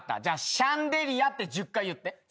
じゃあシャンデリアって１０回言って。